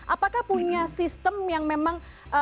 apakah punya sistem yang memang